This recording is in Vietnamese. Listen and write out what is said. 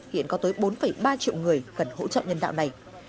hiện có tới bốn ba triệu người cần hỗ trợ nhân đạo này